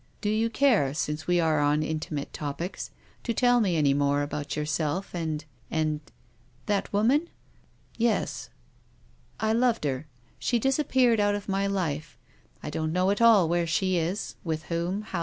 Do you care, since we are on inti mate topics, to tell me any more about yourself and — and —"" That woman ?"" Yes." " I loved her. She disappeared out of my life. I don't know at all where she is, with whom, how THE RAINBOW.